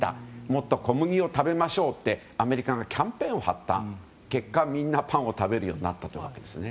もっと小麦を食べましょうってアメリカがキャンペーンを張った結果みんなパンを食べるようになった。